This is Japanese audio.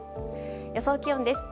予想気温です。